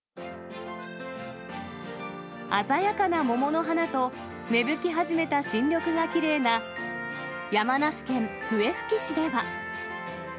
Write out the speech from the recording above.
鮮やかな桃の花と、芽吹き始めた新緑がきれいな山梨県笛吹市では。